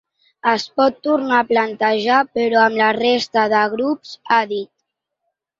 Es pot tornar a plantejar però amb la resta de grups, ha dit.